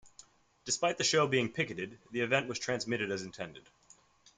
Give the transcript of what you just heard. Despite the show being picketed, the event was transmitted as intended.